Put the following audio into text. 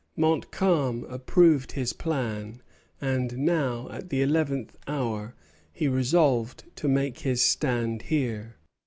Montcalm approved his plan; and now, at the eleventh hour, he resolved to make his stand here.